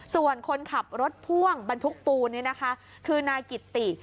ส่วนคนขับรถพ่วงบรรทุกปูนนี่นะคะคือนายกิตติ